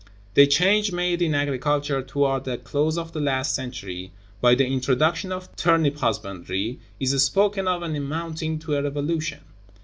The change made in agriculture toward the close of the last century, by the introduction of turnip husbandry, is spoken of as amounting to a revolution.